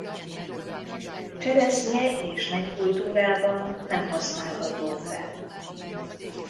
Cseresznye és meggy kultúrában nem használható fel.